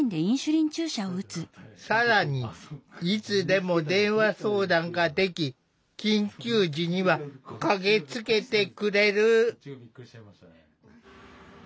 更にいつでも電話相談ができ緊急時には駆けつけてくれる。